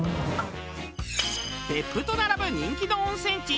別府と並ぶ人気の温泉地